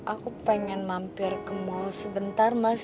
aku pengen mampir ke mall sebentar mas